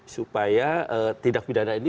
supaya tidak pidana ini